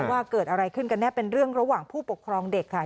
ว่าเกิดอะไรขึ้นกันแน่เป็นเรื่องระหว่างผู้ปกครองเด็กค่ะ